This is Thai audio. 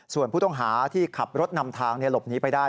ส่วนผู้ต้องหาที่ขับรถนำทางหลบหนีไปได้